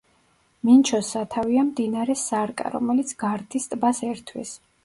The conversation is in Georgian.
მინჩოს სათავეა მდინარე სარკა, რომელიც გარდის ტბას ერთვის.